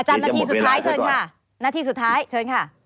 อาจารย์นาทีสุดท้ายเชิญค่ะ